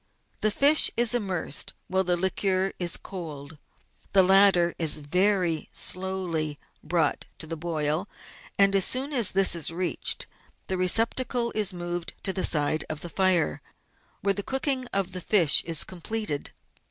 The fish is immersed while the liquor is cold; the latter is very slowly brought to the boil, and as soon as this is reached, the receptacle is moved to the side of the fire, where the cooking of the fish is completed.